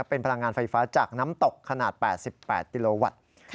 เป็นพลังงานไฟฟ้าจากน้ำตกขนาด๘๘กิโลวัตต์